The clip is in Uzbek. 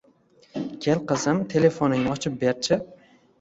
- Kel qizim, telefoningni ochib ber-chi?